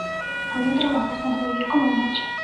Podían trabajar tanto de día como de noche.